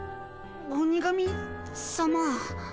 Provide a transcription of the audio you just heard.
鬼神さま。